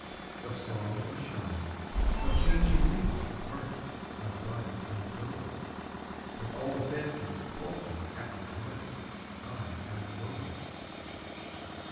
Of song and shine, of changing leaf apart, Of bud uncurled: With all the senses pulsing at my heart, I am the world.